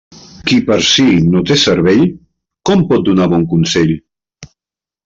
Qui per si no té cervell, com pot donar bon consell?